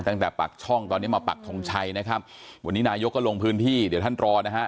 ตั้งแต่ปากช่องตอนนี้มาปักทงชัยนะครับวันนี้นายกก็ลงพื้นที่เดี๋ยวท่านรอนะฮะ